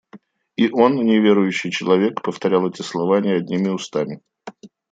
И он, неверующий человек, повторял эти слова не одними устами.